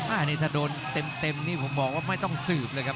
อันนี้ถ้าโดนเต็มนี่ผมบอกว่าไม่ต้องสืบเลยครับ